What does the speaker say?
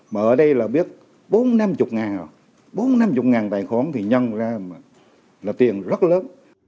mà ở đây là biết bốn mươi năm mươi rồi bốn mươi năm mươi tài khoản thì nhân ra là tiền rất lớn